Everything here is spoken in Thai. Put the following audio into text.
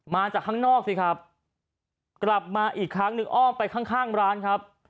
มาจากข้างนอกสิครับกลับมาอีกครั้งหนึ่งอ้อมไปข้างข้างร้านครับ